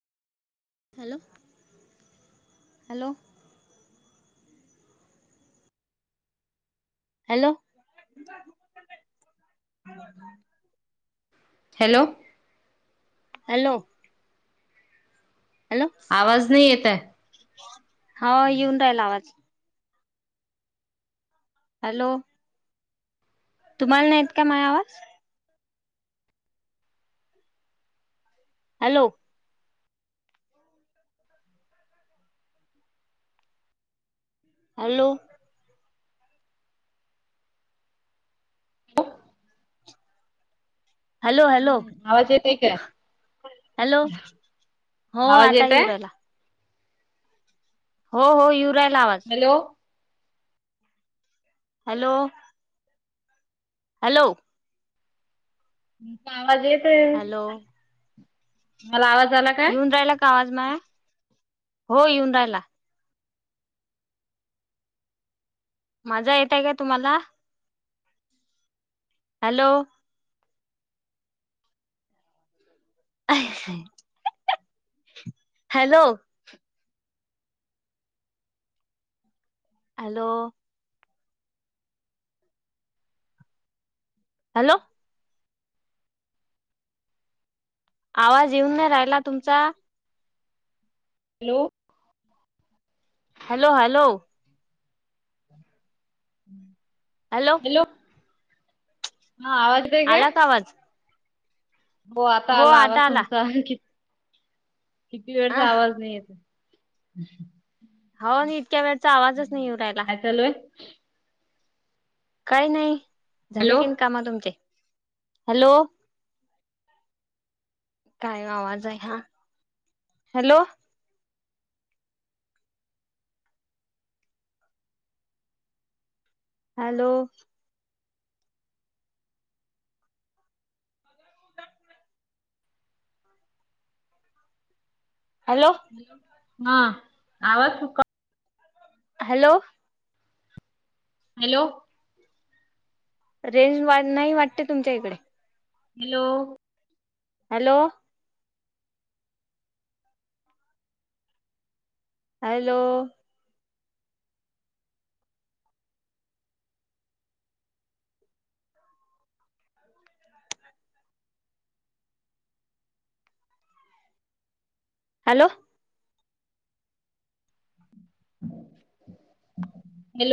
Hello, hello. Hello. Hello. Hello. Hello. आवाज नाही येत हाय. हा येऊन राहिला आवाज. हॅलो. तुम्हाला नाही येत का माह्या आवाज? हॅलो. हॅलो. हॅलोॅ. हॅलो, हम्म आवाज येतय काय? हॅलो, हो आवाज आता येत येवू आहे? राहीला. हो-हो येऊ राहिला आवाज हॅलो हॅलो हॅलो तुमचा आवाज येत हॅलो आहेत मला आवाज आला काय? येऊन राहिला का आवाज माया हो येऊन राहिला माझा येतय का तुम्हाला हॅलो हॅलो हॅलो हॅलो आवाज येऊन नाही राहिला तुमचा hello hello- hello hello hello हा आवाज येतोय काय? आला का आवाज हो आता आला आवाज आता आला तुमचा किती किती वेळचा आवाज नाही येत हो ना इतक्या वेळचा आवाजच नाही येऊ राहिला हॅलो काय नाही झाले हॅलो की नही कामा तुमचे हॅलो काय आवाज आहे हा हॅलो हॅलो हॅलो हा आवाज [inaudible] हॅलो हॅलो रेंज वाढ नाही वाटते तुमच्या इकडे hello hello hello hello hello